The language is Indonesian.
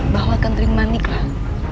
bahwa kandring maniklah